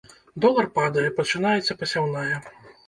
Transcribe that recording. Долар падае, пачынаецца пасяўная.